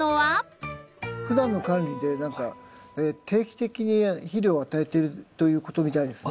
ふだんの管理で何か定期的に肥料を与えているということみたいですね。